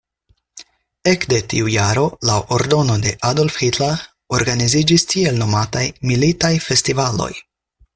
Ekde tiu jaro laŭ ordono de Adolf Hitler organiziĝis tiel nomataj "militaj festivaloj".